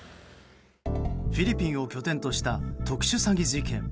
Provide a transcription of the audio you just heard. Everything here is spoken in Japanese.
フィリピンを拠点とした特殊詐欺事件。